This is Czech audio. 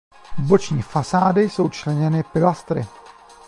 Boční fasády jsou členěny pilastry.